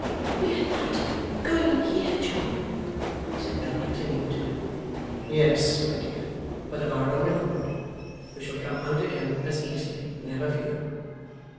'We are not going in here, John?' said Bella, clinging to him. 'Yes, my dear; but of our own accord. We shall come out again as easily, never fear.